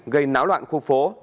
gây náo loạn khu phố